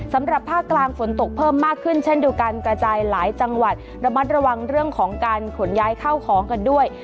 สำหรับภาคกลางฝนตกเพิ่มมากขึ้นเช่นเดียวกันกระจายหลายจังหวัดระมัดระวังเรื่องของการขนย้ายเข้าของกันด้วย